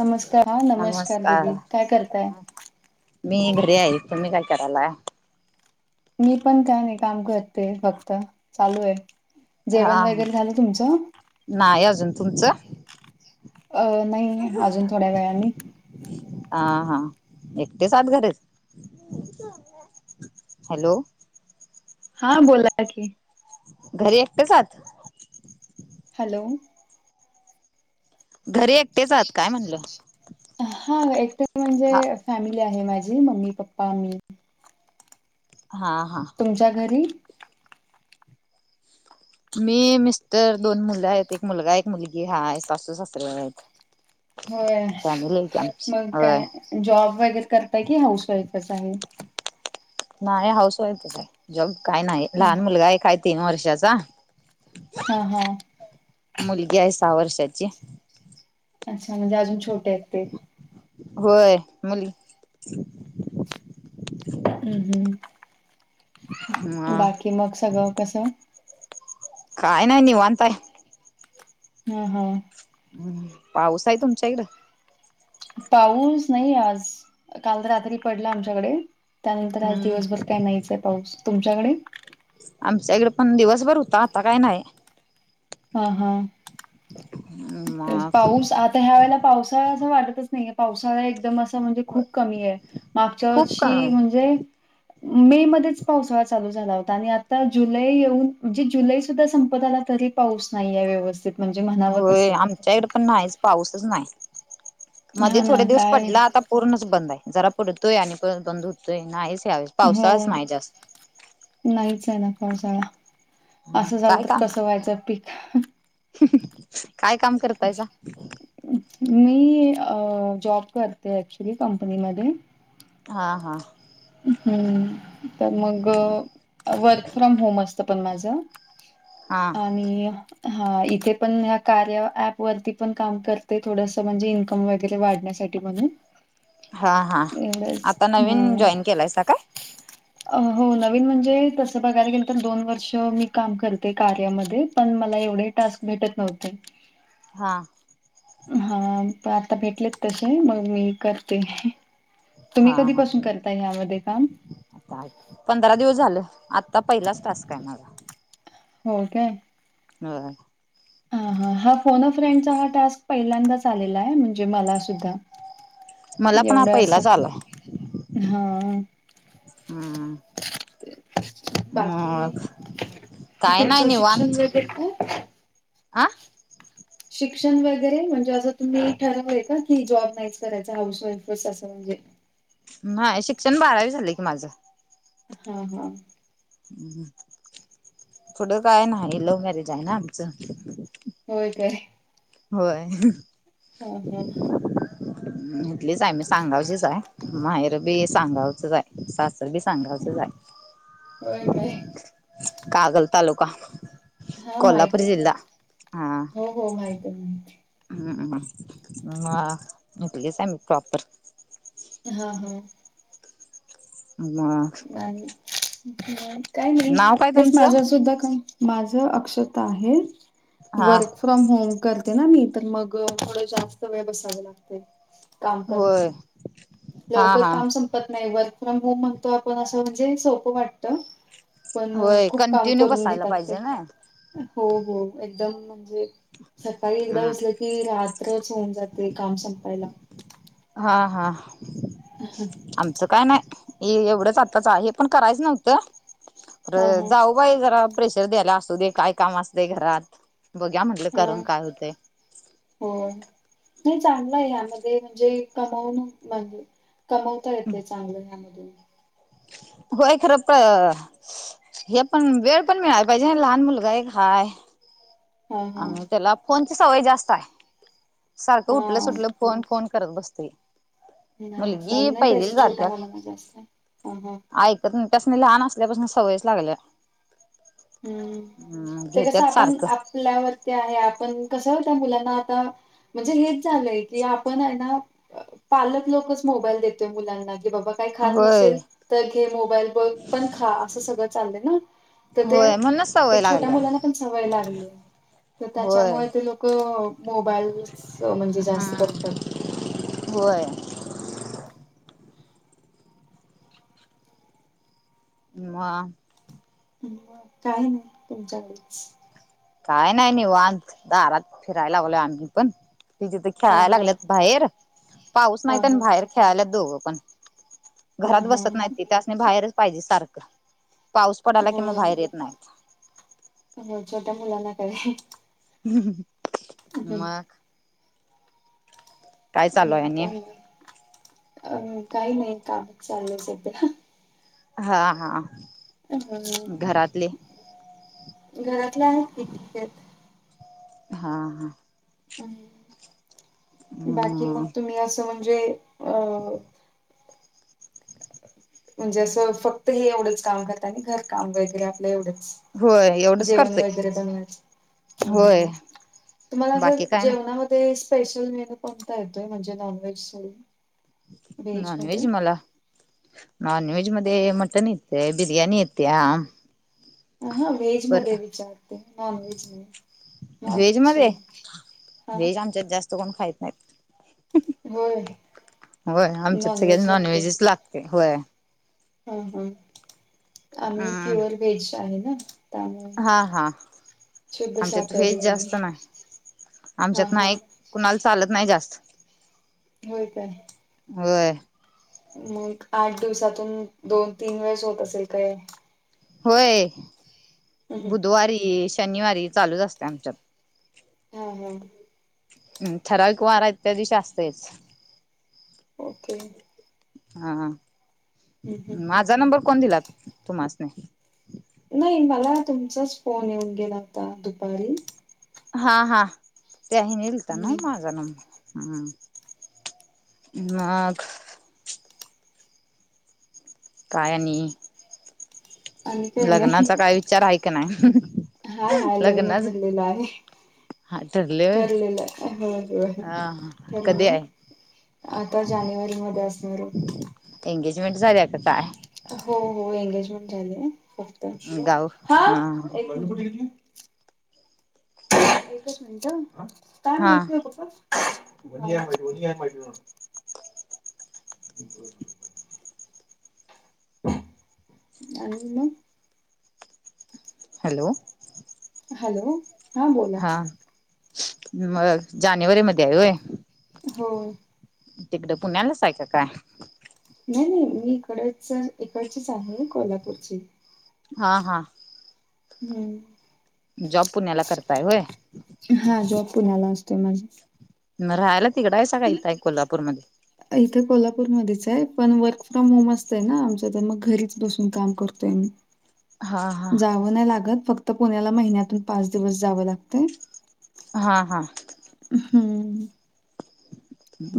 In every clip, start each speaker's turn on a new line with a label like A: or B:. A: नमस्कार हा नमस्कार देदी काय करताय
B: मी घरी आहे तुम्ही काय करायला
A: मी पण का नाही काम करते फक्त चालू आहे
B: हा
A: जेवण
B: हा
A: वगैरे झालं तुमचं
B: नाही अजून तुमचं
A: अ नाही अजून थोड्या वेळाने
B: हा हा एकटे सात घरच हॅलो
A: हा बोला की
B: घरी एकटेचात
A: हॅलो
B: घरी एकटेच आहात काय म्हणलं
A: हा एकट म्हणजे
B: हा
A: फॅमिली आहे माझी मम्मी पप्पा मी
B: हा हा
A: तुमच्या घरी
B: मी मिस्टर दोन मुलं आहेत एक मुलगा एक मुलगी हा सासू सासरे आहेत
A: होय
B: फॅमिलीची
A: मग
B: होय
A: काय जॉब वगैरे करताय की हाऊस वाईफच आहे
B: नाही हाऊस वाईफच आहे जॉब काय नाही
A: हा
B: लहान मुलगा आहे काय तीन वर्षाचा
A: हा हा
B: मुलगी आहे सहा वर्षाची
A: अच्छा म्हणजे अजून छोटे अस ते
B: होय मुल.
A: हम् हम् बाकी मग सगळं कस?
B: काय नाही नव अता
A: ह हा.
B: हम् पाऊस आहे तुमच्या इकडें.
A: पाऊस नाही आज काल तर रात्री पडला आमच्याकडे त्यानंतर आज
B: हम्म
A: दिवसभर काय नाहीच आहे पाऊस तुमच्याकडे
B: आमच्या इकडे पण दिवसभर होता आता काय नाही.
A: हा हा
B: मग
A: पाऊस आता तर ह्या वेला पावसाळा असं वाटतच नाहीे पावसाळा एकदम. ण खप क आहे मागच्या
B: खूप का
A: वर्षी म्हणजे मे मध्येच पावसाळा चालू झाला होता आणि आता जुलै येऊन म्हणजे जुलै सुद्धा संपत आला तरी पाऊस नाहीे व्यवस्थित म्हणजे म्हणावं
B: होय
A: तसं
B: आमच्या इकडे पण नाहीच पाऊसच नाही मध्ये
A: हा
B: थोडे
A: ना
B: दिवस
A: काय
B: पडला आता पूर्णच बंद आहे जरा पडतोय आणि पण बंद होतोय नाहीच यावेळेस
A: हो
B: पावसाळाच नाही जास्त
A: नाहीच आहे ना पसाळा असं झालं
B: काय
A: तर
B: काम
A: कसं व्हायचं पीक.
B: काय काम करतायचा.
A: मी जॉब करते ऍक्च्युली कंपनीमध्ये
B: हा हा.
A: हम् तर मग वर्क फ्रॉम होम असत पण माझ.
B: हा
A: आणि हा इथे पण ह कार्य ऍप वरती पण काम करते थोडसं म्हणजे इन्कम वगैरे वाढण्यास. साठी म्हणून
B: हा हा
A: एवढंच
B: आता
A: हा.
B: नवीन जॉईन केलायचा काय?
A: हो नवीन म्हणजे तसं बघायला गेलं तर दोन वर्ष मी काम करते कार्यामध्ये पण मला एवढे. टास्क भेटत नव्हते.
B: हा.
A: हा आता भेटलेत तसे मग मी करते.
B: हा
A: तुम्ही कधीपासून करताय यामध्ये काम
B: आ पंधरा दिवस झाले आत्ता पहिलाच टस् काय मला
A: हो काय?
B: ह.
A: ह हा हा फोन आ फ्रेंड चा हा टास्क पहिल्यांदाच आलेला आहे म्हणजे मला सुद्धा
B: मला पण हा
A: एवढं असं
B: पहिलाच आलाय
A: हा.
B: हम्म. म
A: बाकी
B: काय नाही निवांत
A: खुप
B: आ.
A: शिक्षण वगैरे म्हणजे असं तुम्ही ठरवय का की जॉब नाहीच करायच हाऊस वाईफस असं म्हणजे
B: नाही शिक्षण बारावी झाले की माझं.
A: हा हा.
B: अ थोडं काय नाही लव्ह मॅरेज आहे ना आमचं.
A: होय काय?
B: होय.
A: ह ह
B: इथलीच आहे मी सांगावचीच आहे माहेर बी सांगावचच आहे स असी सांगायचं आहे
A: होय काय
B: कागल तालुका.
A: हा माहित
B: कोल्हापूर
A: आहे की
B: जिला हा.
A: हो हो माहिती.
B: हम् म्ह इथल्याच आहे मी प्रॉपर.
A: हा हा.
B: आम.
A: आणि काही नाही
B: नाव काय
A: तेच
B: तुमचं
A: माझ्या सुद्धा काम. माझ अक्षता आहे
B: हा
A: वर्क. फ्रॉम होम करते ना मी तर मग थोड जास्त वेळ बसाव लागते. काम करत
B: होय हा
A: लवकर
B: हा
A: काम संप त नाही वर्क फ्रॉम होम म्हणतो आपण असं म्हणजे सोपं वाटत. पण
B: होय
A: खूप काम
B: कंटिन्यू
A: करून
B: बसायला
A: घेतात ते
B: पाहिजे ना
A: हो हो एकदम म्हणजे सकाळी एकदा बसल्या. की रात्रच होऊन जाते काम संपायला.
B: हा हा
A: हा
B: आमचं काय नाही. हे एवढंच आत्ताच आहे हे पण करायचं नव्हतं
A: हा.
B: जाऊ वय जरा प्रेशर द्यायला असू दे काय काम असते घरात बघ्या म्हंटलं
A: हा
B: करून काय होते.
A: हो नाही चांगलं आहे यामध्ये म्हणजे कमावून म्ह कमवता येते चांगलं ह्यामधून.
B: होय खरं प हे पण वेळ पण मिळायला पाहिजे लहान मुलगा आहे काय.
A: हा हा
B: आम त्याला फोनची सवय जास्त आहे सारखं उठलं
A: हा
B: सुटलं फोन फोन करत बसते.
A: नाही फोन नाही द्यायचा छोट्या
B: जात्या
A: मुलाना जास्त ह हा
B: तेस्न तेस्नी लहान असल्यापासून सवयच लागल्या.
A: हम्म
B: हम्म
A: ते कसं
B: घेत्यात
A: आपण
B: सारखं
A: आपल्यावरती आहे आपण कस त्या मुलांना आता म्हणजे हेच झालंय की आपण आहे ना पालक लोकच मोबाईल देतोय मुलांना की बाबा - काही खात
B: होय
A: नसेल तर घे मोबाईल बघ पण खा असं सगळं चालले ना. तर ते
B: होय म्हणूनच सवय
A: त्या छोट्या
B: लागल्या
A: मुलांना पण सवय लागली आहे. तर
B: होय
A: त्याच्यामुळे ते लोक मोबाईल्स म्हणजे जास्त
B: हम्म
A: बघतात.
B: होय. मा.
A: हम्म काय नाही तुमच्याकडेच.
B: काय नाही निवांत दारात फिरायलावल आमि पण ति जिथे तर
A: हा
B: खेळायला
A: हा
B: लागलेत बाहेर पाऊस
A: हा
B: नाहीत आणि बाहेर
A: हा
B: खेळायला दोघ पण
A: हा
B: घरात बसत नाही
A: हा
B: तिथे नाही बाहेरच पाहिजे सारखं पाऊस पडाला की मग बाहेर येत नाही.
A: हम्म छोट्या मुलांना कळे.
B: मग. काय चालू
A: हम्म
B: आहे आणि
A: काही नाही अम काही नाही कामच चाललं आहे सध्या.
B: हा हा.
A: अ ह
B: घरातले
A: घरातलं आहेत की ते
B: हा हा.
A: उम्म बाकी मग
B: हम्म
A: तुम्ही असं म्हणजे अ म्हणजे असं फक्त हे एवढंच काम करता आणि घरकाम वगैरे आपलं एवढंच.
B: होय एवढंच
A: जेवण
B: करतोय
A: वगैरे बनवायच
B: होय
A: हम्म. तुम्हाला जर
B: बाकी काय नाही
A: जेवणामध्ये स्पेशल मेनू कोणता येतोय म्हणजे नॉन व्हेज सोडून.
B: नॉन व्हेज मला नॉन व्हेज मध्ये मटन येतय बिर्याणी येत्या.
A: अ ह व्हेज
B: पर
A: मध्ये विचारते नॉन व्हेज नाही. नॉनव्हेज सोडून आ.
B: च्यात जास्त कोण खायत नाहीत.
A: होय
B: होय आमच्यात सगळ्याना
A: नॉनव्हेज
B: नॉनव्हेजच लागते होय.
A: ह ह आम्ही
B: अम
A: प्युअर व्हेज आहे न.
B: हा हा आमच्यात व्हेज
A: शाकाहारी आम्ही
B: जास्त नाय.
A: हा
B: आमच्यात
A: हा
B: नाही कुणाल चालत नाही जास्त.
A: हो काय.
B: होय.
A: मग आठ दिवसातून दोन तीन वेळेस होत असेल कय.
B: होय
A: हम्म.
B: बुधवारी शनिवारी चालूच असतय आमच्यात.
A: ह ह.
B: हम्म ठराविक वार आहेत त्या दिवशी आसतयच.
A: ओके.
B: हा हा
A: हम्म हम्म
B: माझा नंबर कोण दिला तुम्हास्नी?
A: नाही मला तुमचाच फोन येऊन गेला होता दुपारी.
B: हा हा त्याही हेनी लता ना
A: हम्म
B: माझा नम हम्म मग. काय आणि?
A: आणि काय नाही
B: लग्नाचा काय विचार आहे का नाही
A: हाय हाय लग्न
B: लग्नाच
A: ठरलेलं आहे.
B: हा ठरले होय
A: ठरलेल आहे होय होय
B: हा कधी
A: ठरलंय.
B: आहे
A: आता जानेवारी मध्ये असणार ओ.
B: एंगेजमेंट झाल्या का काय?
A: हो हो एंगेजमेंट झाली आहे फक्त हा एक एकच मिनिटं हा काय
B: हा
A: माहिती हो पप्पा. [unintelligible] [unintelligible] आणि मग
B: हॅलो.
A: हॅलो.
B: हा मग जानेवारी मध्ये आहे होय?
A: हो.
B: तिकडं पुण्यालाच हाय का काय?
A: नाही नाही मी इकडच इकडचीच आहे कोल्हापूरची.
B: हा हा.
A: हम्म.
B: जॉब पुण्याला करताय होय?
A: हा जॉब पुण्याला असतोय माझ.
B: मग राहायला तिकड आहे साग का इथे कोल्हापूरमध्ये
A: इथे कोल्हापूरमध्येच आहे पण वर्क फ्रॉम होम असतंय ना आमचं तर मग घरीच बसून काम करतोय मी
B: हा हा
A: जावं नाही लागत फक्त पुण्याला महिन्यातून पाच दिवस जावं लागत
B: हा हा
A: हम्म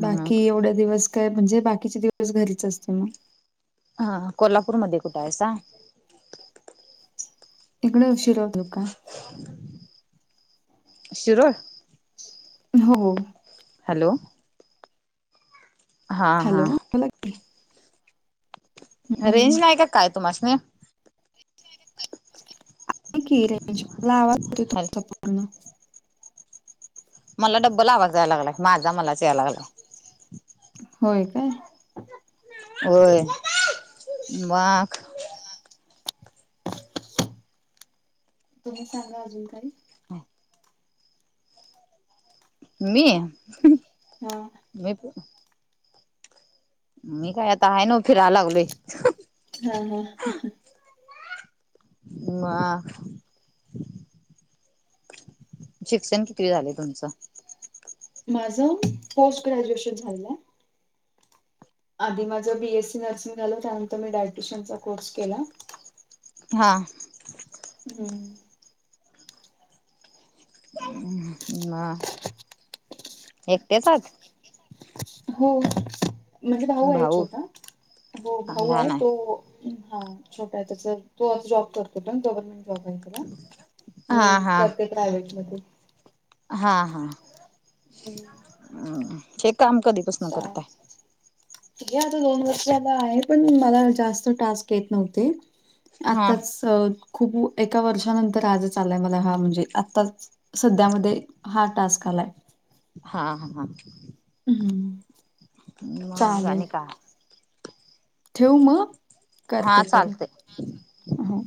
A: बाकी
B: मग
A: एवढ्या दिवस काय म्हणजे बाकीचे दिवस घरीच असते मग
B: हा कोल्हापूरमध्ये कुठे आहेसा
A: इकडे [unintelligible] का
B: शिरोळ
A: हो
B: हॅलो हा
A: हॅलो
B: हा
A: बोला की हम्म.
B: रेंज नाही का काय तुमास्नी
A: आहे की रेंज मला आवाज [unintelligible]
B: हॅलो
A: [inaudible]
B: मला डब्बल आवाज यायला लागलाय माझा मलाच यायला लागला
A: होय काय
B: होय न माग
A: तुम्ही सांगा अजून काही
B: मी
A: हा
B: [unintelligible] मी काय आता आहे नव्ह फिरायला लागलोय
A: हा ह
B: म शिक्षण किती झाले तुमचं
A: माझ पोस्ट ग्रॅज्युएशन झालेलं आहे आधी माझं बीएससी नर्सिंग झालं त्यानंतर मी डायट्रिशनचा कोर्स केला
B: हा
A: हम्म
B: [unintelligible] एकट्याच आहात
A: हो म्हणजे भाऊ आहे छोटा हो भाऊ आहे
B: लहान हाय.
A: तो हा छोटा आहे त्याच तो आता जॉब करतो पण गव्हर्नमेंट जॉब आहे [unintelligible] मी
B: हा हा
A: करते प्रायव्हेट मधून
B: हा हा हे काम कधी.
A: ह. हे आता दोन वर्ष आला आहे पण मला जास्त टास्क येत नव्हते.
B: हा
A: आत्ताच खूप एका वर्षानंतर आज चाललाय मला हा म्हणजे आत्ताच. सध्यामध्ये हा टास्क आलाय.
B: हा हा हा.
A: हम्म.
B: हा मग आणि काय?.
A: ठेऊ मग, करते
B: हा
A: परत
B: चालतय.
A: हो.